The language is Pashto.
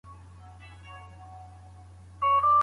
د روغتیا پوښتنه نه هېریږي.